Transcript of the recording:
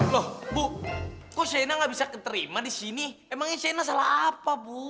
loh bu kok shaina nggak bisa keterima di sini emang ini shaina salah apa bu